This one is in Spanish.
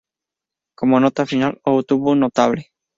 Como nota final, obtuvo un notable.